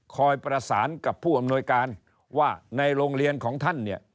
คอยประสานกับผู้อำนวยการว่าในโรงเรียนของท่านเนี่ย